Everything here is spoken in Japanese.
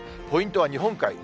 ポイントは日本海。